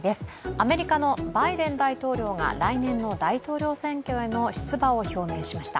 アメリカのバイデン大統領が来年の大統領選挙への出馬を表明しました。